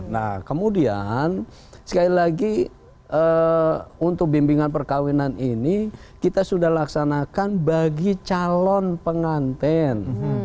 nah kemudian sekali lagi untuk bimbingan perkawinan ini kita sudah laksanakan bagi calon pengantin